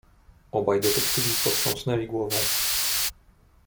"Obaj detektywi potrząsnęli głową."